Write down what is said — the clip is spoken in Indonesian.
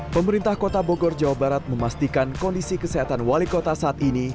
pemerintah kota bogor jawa barat memastikan kondisi kesehatan wali kota saat ini